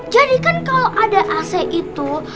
kan kalau ada ac itu